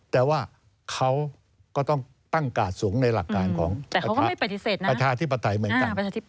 แต่ว่าเขาก็ต้องตั้งกาดสูงในหลักการของเขาประชาธิปไตยเหมือนกัน